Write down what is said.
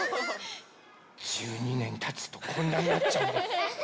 １２ねんたつとこんなんなっちゃうんです。